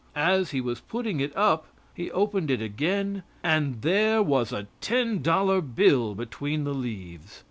As he was putting it up he opened it again, and there was a $10 bill between the leaves.